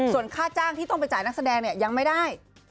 ส่วนค่าจ้างที่ต้องไปจ่ายนักแสดงเนี่ยยังไม่ได้